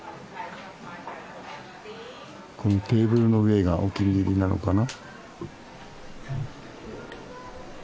このテーブルの上がお気に入りなのかな？